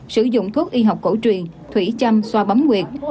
sử dụng thuốc y học cổ truyền thủy chăm xoa bấm nguyệt